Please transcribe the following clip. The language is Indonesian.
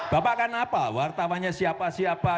bapak kan apa wartawannya siapa siapa